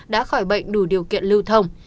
đã khỏi bệnh đủ điều kiện lưu thông